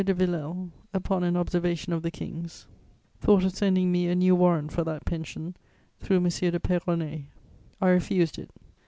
de Villèle, upon an observation of the King's, thought of sending me a new warrant for that pension through M. de Peyronnet. I refused it.